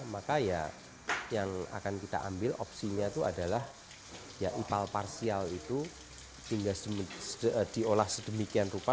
maka ya yang akan kita ambil opsinya itu adalah ya ipal parsial itu tinggal diolah sedemikian rupa